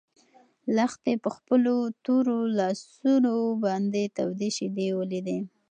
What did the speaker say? لښتې په خپلو تورو لاسو باندې تودې شيدې ولیدې.